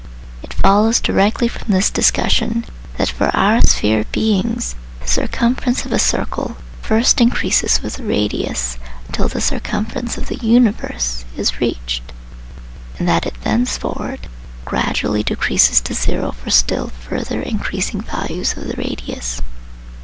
It follows directly from this discussion, that for our sphere beings the circumference of a circle first increases with the radius until the " circumference of the universe " is reached, and that it thenceforward gradually decreases to zero for still further increasing values of the radius.